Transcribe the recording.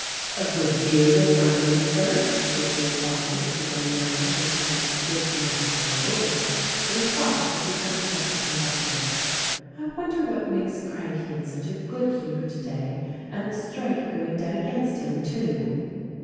"A good deal of grumbling, Sir," was the reply as the young man went out to give the necessary orders ; but he thought, as he hunted up the conductor, "I wonder what makes Craggie in such a good humor today, — and the strike going dead against him, too?"